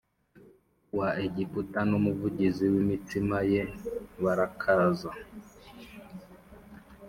wa Egiputa n umuvuzi w imitsima ye barakaza